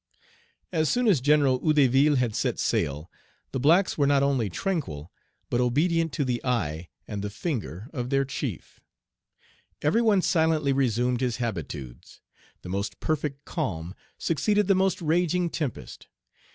As soon as General Hédouville had set sail, the blacks were not only tranquil, but obedient to the eye and the finger of their chief. Every one silently resumed his habitudes. The most perfect clam succeeded the most raging tempest.